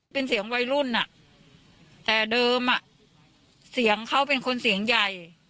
เป็นเสียงวัยรุ่นอ่ะแต่เดิมอ่ะเสียงเขาเป็นคนเสียงใหญ่